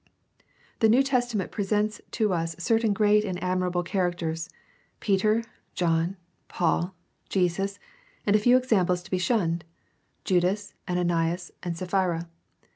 — The New Testament presents to us certain great and admirable char acters, Peter, John, Paul, Jesus, and a few examples to be shunned, Judas, Ananias, and Sapphira.